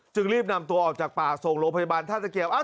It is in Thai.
รีบนำตัวออกจากป่าส่งโรงพยาบาลท่าตะเกียบ